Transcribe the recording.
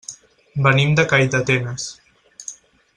Venim de Calldetenes.